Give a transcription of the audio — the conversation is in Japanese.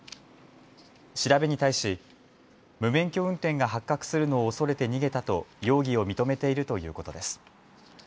調べに対し、無免許運転が発覚するのを恐れて逃げたと容疑を認めているということです。